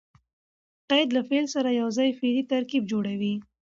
قید له فعل سره یوځای فعلي ترکیب جوړوي.